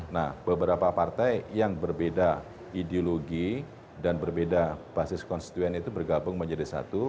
nah beberapa partai yang berbeda ideologi dan berbeda basis konstituen itu bergabung menjadi satu